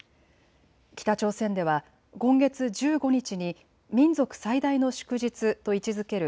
北朝鮮では今月１５日に民族最大の祝日と位置づける